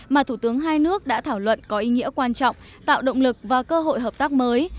mà thủ tướng hai nước đã thảo luận có ý nghĩa quan trọng tạo động lực và cơ hội hợp tác mới